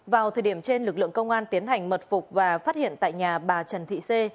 vào thời điểm trên lực lượng công an tiến hành mật phục và phát hiện tại nhà bà trần thị xê